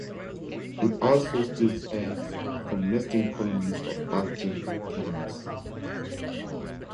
It also steals eggs from nesting colonies of Arctic terns.